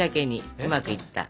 うまくいった。